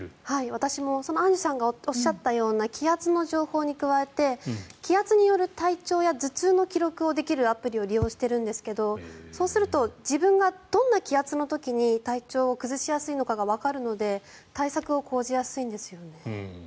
私もアンジュさんがおっしゃったような気圧の情報に加えて気圧による体調や頭痛の記録をできるアプリを利用しているんですけどそうすると自分がどんな気圧の時に体調を崩しやすいのかがわかるので対策を講じやすいんですよね。